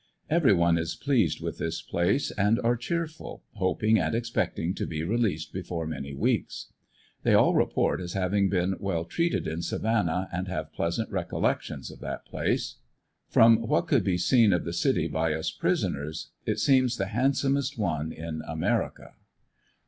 Everyone is pleased with this place and are cheerful, hoping and expecting to be released before many weeks; they all report as having been well treated in Savannah and have pleasant recollections of that place ; from what could be seen of the city by us prisoners it seems the handsomest one in America.